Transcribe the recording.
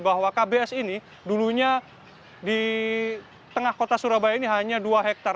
bahwa kbs ini dulunya di tengah kota surabaya ini hanya dua hektare